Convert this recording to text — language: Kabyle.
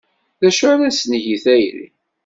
D acu ara s-neg i tayri?